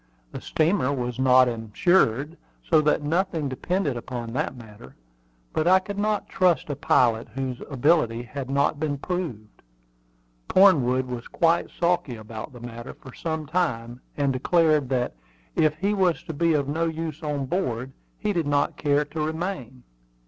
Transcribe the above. The steamer was not insured, so that nothing depended upon that matter; but I could not trust a pilot whose ability had not been proved. Cornwood was quite sulky about the matter for some time, and declared that, if he was to be of no use on board he did not care to remain.